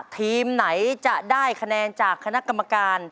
ทีมไหนจะได้คะแนนจากคณะกรรมการ